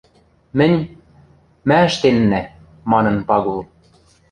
Мӹнь... мӓ ӹштеннӓ, — манын Пагул.